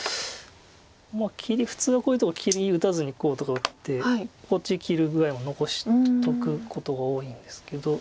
普通はこういうとこ切り打たずにこうとか打ってこっち切る具合も残しとくことが多いんですけど。